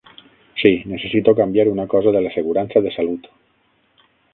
Sí, necessito canviar una cosa de l'assegurança de salut.